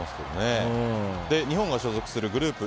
日本が所属するグループＥ。